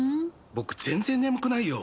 僕全然眠くないよ。